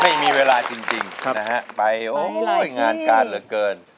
ไม่มีเวลาจริงไปงานการเหลือเกิน